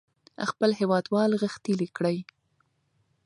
خپل هېوادوال غښتلي کړئ.